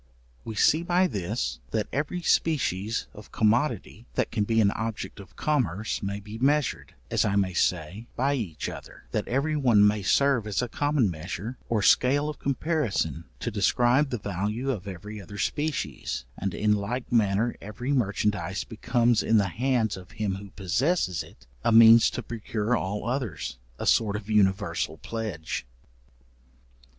We see by this, that every species of commodity that can be an object of commerce, may be measured, as I may say, by each other, that every one may serve as a common measure, or scale of comparison to describe the value of every other species, and in like manner every merchandize becomes in the hands of him who possesses it, a means to procure all others—a sort of universal pledge.